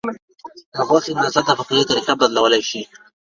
د غوښې مزه د پخلي طریقه بدلولی شي.